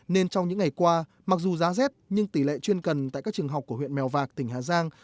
nên trong những ngày qua mặc dù giá rét nhưng tỷ lệ chuyên cần tại các trường học của huyện mèo vạc tỉnh hà giang